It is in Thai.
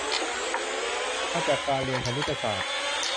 มาจากการเรียนคณิตศาสตร์